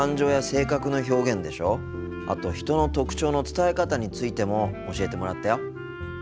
あと人の特徴の伝え方についても教えてもらったよ。